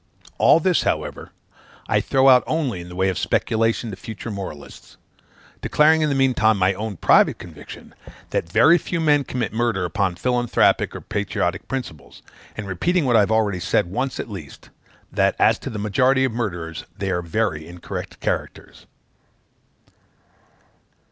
All this, however, I throw out only in the way of speculation to future moralists; declaring in the meantime my own private conviction, that very few men commit murder upon philanthropic or patriotic principles, and repeating what I have already said once at least that, as to the majority of murderers, they are very incorrect characters.